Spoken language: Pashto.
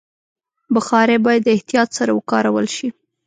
بخاري باید د احتیاط سره وکارول شي.